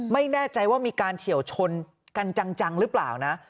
ไม่แน่ใจว่ามีการเฉียวชนกันจังหรือเปล่านะ